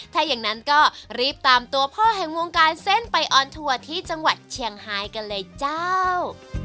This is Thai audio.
ถ้าอย่างนั้นก็รีบตามตัวพ่อแห่งวงการเส้นไปออนทัวร์ที่จังหวัดเชียงไฮกันเลยเจ้า